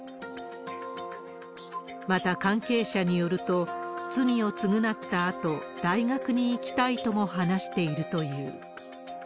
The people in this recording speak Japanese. また、関係者によると、罪を償ったあと、大学に行きたいとも話しているという。